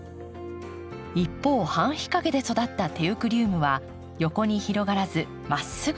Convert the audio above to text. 一方半日陰で育ったテウクリウムは横に広がらずまっすぐ育っていました。